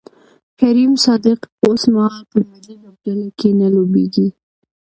کریم صادق اوسمهال په ملي لوبډله کې نه لوبیږي